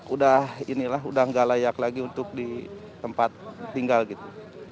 udah ini lah udah gak layak lagi untuk di tempat tinggal gitu